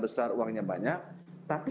besar uangnya banyak tapi